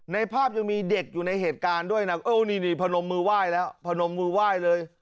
ในภาพยังมีเด็กอยู่ในเหตุการณ์ด้วยนะเออนี่พนมมือไหว้แล้วพนมมือไหว้เลย